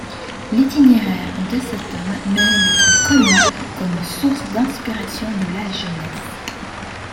L'itinéraire de cet homme mérite d'être connu comme source d'inspiration de la jeunesse.